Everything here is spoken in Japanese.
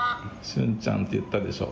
俊ちゃんって言ったでしょ？